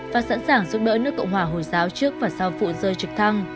và sẵn sàng giúp đỡ nước cộng hòa hồi giáo trước và sau vụ rơi trực thăng